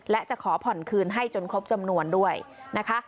และจะขอผ่อนคืนให้จนครบจำนวนด้วยนะคะ